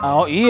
peran air ya